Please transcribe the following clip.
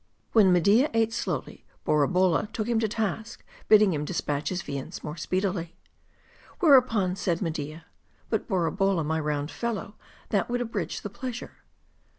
When Media ate slowly, Borabolla took him to task, bidding him dispatch his viands more speedily. Whereupon said Media " But Borabolla, my round fellow, that would abridge the pleasure."